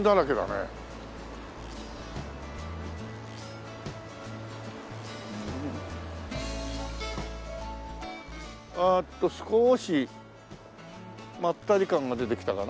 えーっと少しまったり感が出てきたかな？